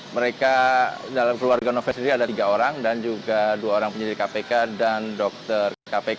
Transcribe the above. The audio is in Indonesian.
mereka dalam keluarga novel sendiri ada tiga orang dan juga dua orang penyidik kpk dan dokter kpk